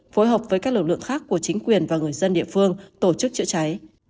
phối hợp với các lực lượng khác của chính quyền và người dân địa phương tổ chức chữa cháy